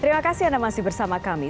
terima kasih anda masih bersama kami